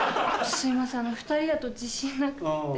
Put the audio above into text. すいません２人だと自信なくって。